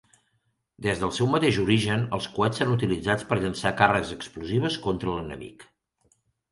Des del seu mateix origen, els coets s'han utilitzat per llançar càrregues explosives contra l'enemic.